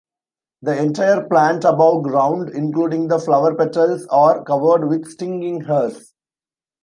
The entire plant above ground including the flower petals are covered with stinging hairs.